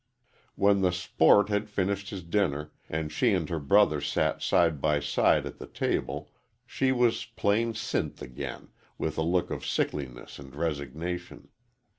When the "sport" had finished his dinner, and she and her brother sat side by side at the table, she was plain Sinth again, with a look of sickliness and resignation.